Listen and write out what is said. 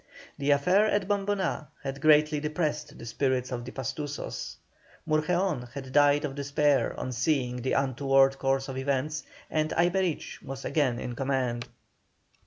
The affair at Bomboná had greatly depressed the spirits of the Pastusos. Murgeón had died of despair on seeing the untoward course of events, and Aymerich was again in command.